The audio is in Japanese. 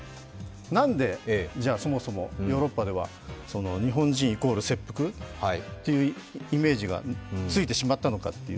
なんでそもそもヨーロッパでは日本人イコール切腹というイメージがついてしまったのか。